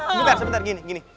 sebentar sebentar gini gini